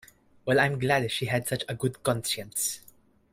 Well, I'm glad she had such a good conscience.